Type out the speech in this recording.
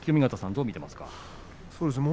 どう見てますか？